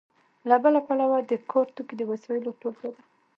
له بله پلوه د کار توکي د وسایلو ټولګه ده.